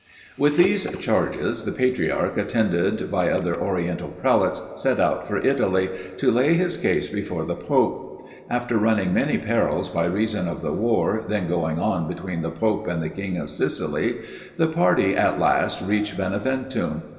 With these charges the patriarch, attended by other oriental prelates, set out for Italy, to lay his case before the pope. After running many perils by reason of the war, then going on between the pope and the king of Sicily, the party at last reached Beneventum.